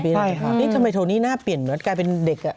ใช่ทำไมโทนี่น่าเปลี่ยนเหรอนักเรากลายเป็นเด็ก